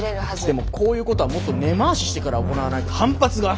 でもこういうことはもっと根回ししてから行わないと反発が。